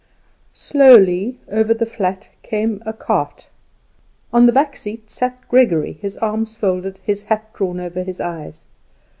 Slowly over the flat came a cart. On the back seat sat Gregory, his arms folded, his hat drawn over his eyes.